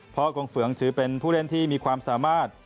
เพราะกงเฝืองถือเป็นผู้เล่นที่มีความสามารถ